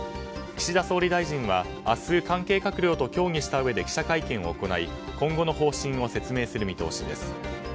岸田総理大臣は明日関係閣僚と協議したうえで記者会見を行い今後の方針を説明する見通しです。